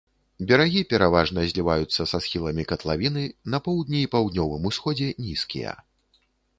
Берагі пераважна зліваюцца са схіламі катлавіны, на поўдні і паўднёвым усходзе нізкія.